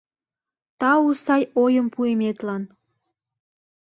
Тау сай ойым пуыметлан.